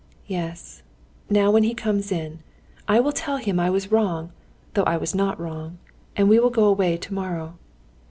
Yes, now when he comes in, I will tell him I was wrong, though I was not wrong, and we will go away tomorrow."